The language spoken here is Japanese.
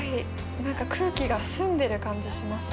何か空気が澄んでる感じしますね。